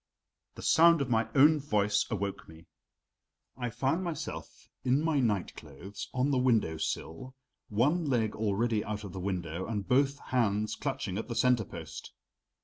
The sound of my own voice awoke me. I found myself in my night clothes on the window sill, one leg already out of the window and both hands clutching at the center post.